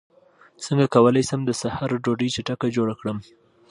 څنګه کولی شم د سحر ډوډۍ چټکه جوړه کړم